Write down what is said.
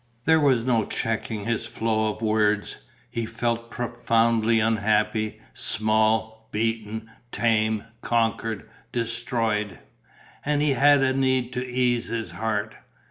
There was no checking his flow of words. He felt profoundly unhappy, small, beaten, tamed, conquered, destroyed; and he had a need to ease his heart.